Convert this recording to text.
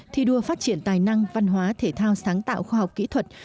thi đua phát triển tài năng văn hóa thể thao sáng tạo khoa học kỹ thuật